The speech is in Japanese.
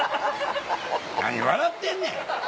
何笑ってんねん！